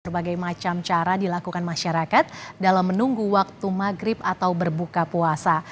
berbagai macam cara dilakukan masyarakat dalam menunggu waktu maghrib atau berbuka puasa